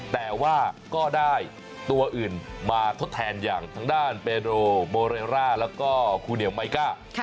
แต่ว่าก็ได้ตัวอื่นมาทดแทนอย่างทางด้านเบโรโมเรร่าแล้วก็คูเหนียวไมก้า